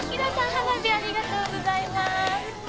花火ありがとうございます」